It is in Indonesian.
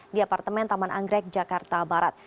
di apartemen taman anggrek jakarta barat